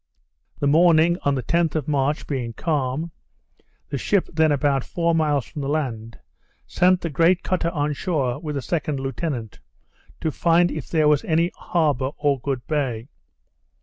The morning, on the 10th of March, being calm, the ship then about four miles from the land, sent the great cutter on shore with the second lieutenant, to find if there was any harbour or good bay.